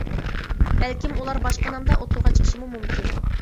بەلكىم ئۇلار باشقا نامدا ئوتتۇرىغا چىقىشىمۇ مۇمكىن.